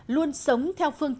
luôn sống theo phương châm